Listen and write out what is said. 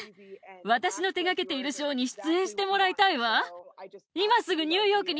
私の手がけているショーに出演してもらいたいわ。